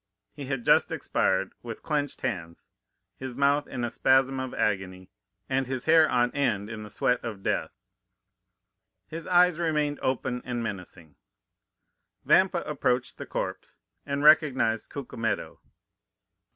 He had just expired, with clenched hands, his mouth in a spasm of agony, and his hair on end in the sweat of death. His eyes remained open and menacing. Vampa approached the corpse, and recognized Cucumetto.